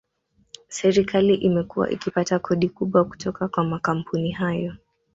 Serikali imekuwa ikipata kodi kubwa kutoka kwa makampuni hayo